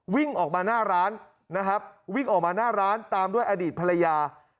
วิ่งออกมาหน้าร้านนะครับวิ่งออกมาหน้าร้านตามด้วยอดีตภรรยา